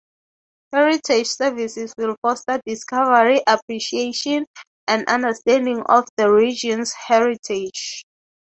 Heritage Services will foster discovery, appreciation and understanding of the Region's heritage.